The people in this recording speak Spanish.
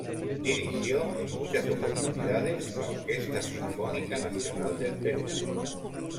Dirigió en muchas oportunidades la Orquesta Sinfónica Nacional del Perú.